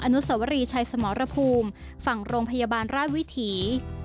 อนุสวรีชัยสมรภูมิฝั่งโรงพยาบาลราชวิถี